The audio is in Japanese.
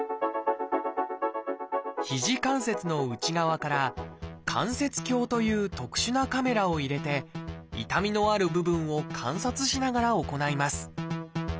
肘関節の内側から関節鏡という特殊なカメラを入れて痛みのある部分を観察しながら行います。